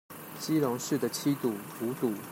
基隆市的七堵、五堵